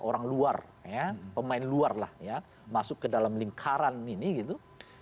orang luar ya pemain luar lah ya masuk ke dalam lingkaran ini gitu